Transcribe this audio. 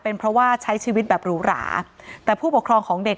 เป็นเพราะว่าใช้ชีวิตแบบหรูหราแต่ผู้ปกครองของเด็ก